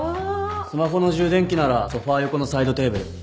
スマホの充電器ならソファ横のサイドテーブル。